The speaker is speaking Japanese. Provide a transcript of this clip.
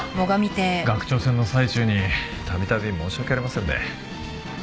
学長選の最中に度々申し訳ありませんね。